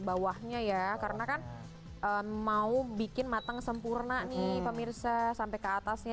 bawahnya ya karena kan mau bikin matang sempurna nih pemirsa sampai ke atasnya